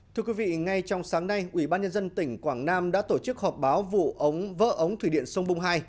thưa quý vị ngay trong sáng nay ủy ban nhân dân tỉnh quảng nam đã tổ chức họp báo vụ ống vỡ ống thủy điện sông bung hai